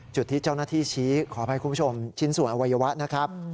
จุดที่เจ้าหน้าที่ชี้ขออภัยคุณผู้ชมชิ้นส่วนอวัยวะนะครับ